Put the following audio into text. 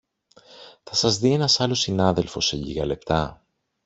θα σας δει ένας άλλος συνάδελφος σε λίγα λεπτά